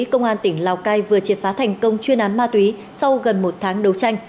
công an tỉnh lào cai vừa triệt phá thành công chuyên án ma túy sau gần một tháng đấu tranh